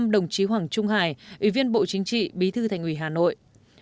một mươi năm đồng chí hoàng trung hải ủy viên bộ chính trị bí thư thành ủy hà nội